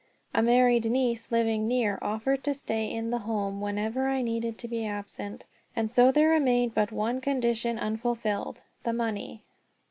A married niece, living near, offered to stay in the home whenever I needed to be absent. And so there remained but one condition unfulfilled the money.